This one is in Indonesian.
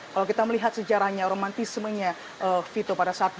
kalau kita melihat sejarahnya romantismenya vito pada saat dua ribu dua belas lalu